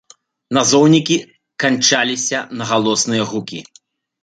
Назоўнікі канчаліся на галосныя гукі.